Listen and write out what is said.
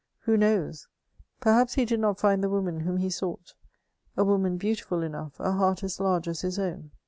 Who knows ? Perhaps he did not find the woman whom he sought — a woman beautiful enough — ^a heart as large as his own.